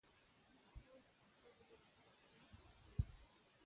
موږ ټول د پښتو ژبې لپاره په ګډه کار کوو.